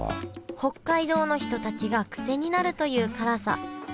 北海道の人たちがクセになるという辛さ。